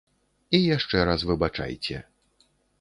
І яшчэ раз выбачайце.